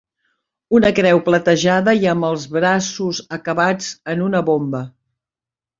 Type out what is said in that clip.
Una creu platejada, i amb els braços acabats en una bomba.